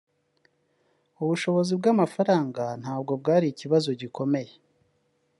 …ubushobozi bw’amafaranga nabwo bwari ikibazo gikomeye